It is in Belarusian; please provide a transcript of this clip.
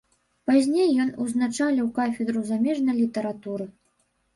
Пазней ён узначаліў кафедру замежнай літаратуры.